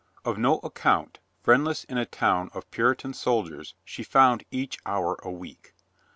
Of no account, friendless in a town of Puritan sol diers, she found each hour a week.